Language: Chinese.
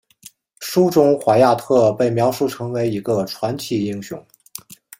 书中怀亚特被描述成为一个传奇英雄。